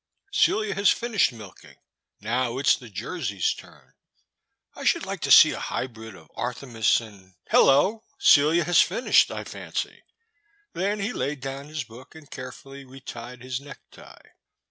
Celia has finished milking ; now it 's the Jersey's turn. I should like to see a hybrid of Arthemis and — ^hello ! Celia has finished, I fancy." Then he laid down his book and carefully retied his necktie.